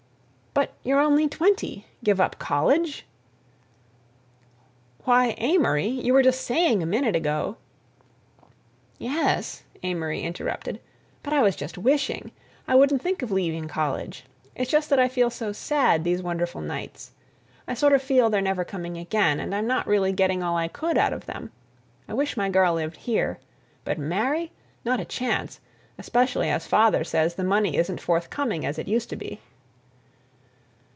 "But you're only twenty! Give up college?" "Why, Amory, you were saying a minute ago—" "Yes," Amory interrupted, "but I was just wishing. I wouldn't think of leaving college. It's just that I feel so sad these wonderful nights. I sort of feel they're never coming again, and I'm not really getting all I could out of them. I wish my girl lived here. But marry—not a chance. Especially as father says the money isn't forthcoming as it used to be."